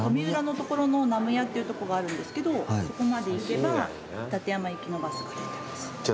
富浦のところのなむやっていうとこがあるんですけどそこまで行けば館山行きのバスが出てます。